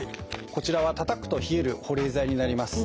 こちらはたたくと冷える保冷剤になります。